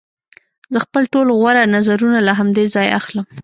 زه خپل ټول غوره نظرونه له همدې ځایه اخلم